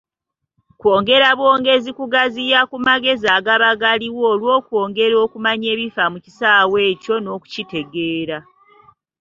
Kwongera bwongezi kugaziya ku magezi agaba galiwo olwokwongera okumanya ebifa ku kisaawe ekyo n’okukitegeera.